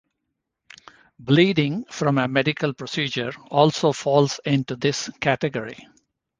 Bleeding from a medical procedure also falls into this category.